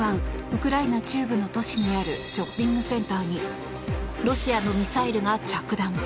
ウクライナ中部の都市にあるショッピングセンターにロシアのミサイルが着弾。